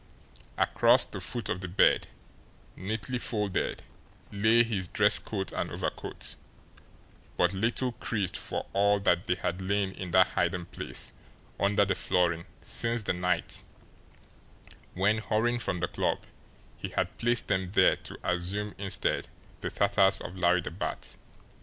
Across the foot of the bed, neatly folded, lay his dress coat and overcoat, but little creased for all that they had lain in that hiding place under the flooring since the night when, hurrying from the club, he had placed them there to assume instead the tatters of Larry the Bat.